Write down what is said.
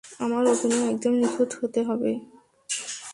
আমার অভিনয় একদম নিখুঁত হতে হবে।